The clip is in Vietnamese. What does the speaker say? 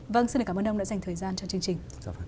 vâng xin cảm ơn ông đã dành thời gian cho chương trình